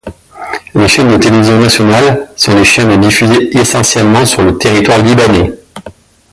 Les chaînes de télévision nationales sont les chaînes diffusées essentiellement sur le territoire libanais.